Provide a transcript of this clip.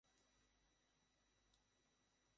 বাচ্চারা, ওঠো।